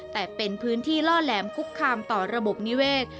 แต่เป็นพื้นที่ล่อแหลมคุกคามต่อระบบนิเวศ